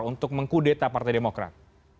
untuk mengkudeta partai demokrat